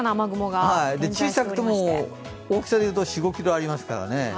小さくても大きさでいうと４５ｋｍありますからね。